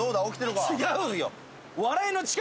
違うよ！